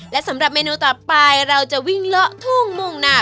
และสำหรับเมนูต่อไปเราจะวิ่งเลาะทุ่งมุ่งหน้า